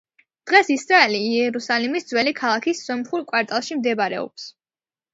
დღეს ისრაელი იერუსალიმის ძველი ქალაქის სომხურ კვარტალში მდებარეობს.